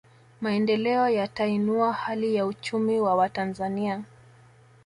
Maendeleo yatainua hali ya uchumi wa Watanzania